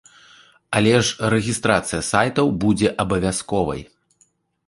Але ж рэгістрацыя сайтаў будзе абавязковай.